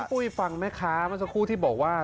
พูดฟังไหมคะมันสักครู่ที่บอกว่า